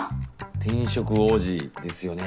転職王子ですよね？